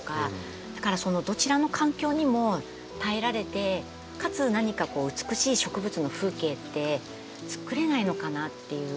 だからそのどちらの環境にも耐えられてかつ何かこう美しい植物の風景ってつくれないのかなっていう。